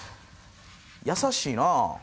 優しいなあ。